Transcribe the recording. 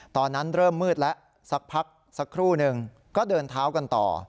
ตอนนั้นเริ่มมืดแล้วสักพักสักครู่หนึ่งก็เดินเท้ากันต่อ